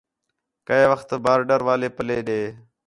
کَئے وخت بارڈر والے پَلّے ݙے